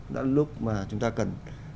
đã lúc mà chúng ta cần